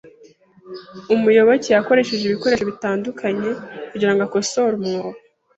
Umuyoboke yakoresheje ibikoresho byinshi bitandukanye kugirango akosore umwobo .